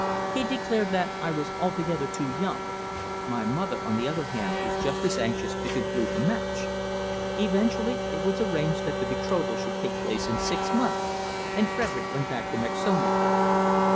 He declared that I was altogether too young; my mother, on the other hand, was just as anxious to conclude the match. Eventually it was arranged that the betrothal should take place in six months and Frederick went back to Mexonia."